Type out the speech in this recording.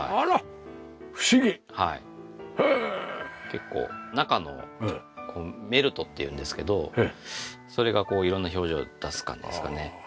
結構中のメルトっていうんですけどそれが色んな表情を出す感じですかね。